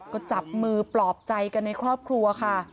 ก็จับมือปลอบใจกันในครอบครัวค่ะ